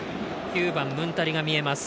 ９番、ムンタリが見えます。